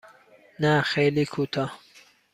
نه خیلی کوتاه.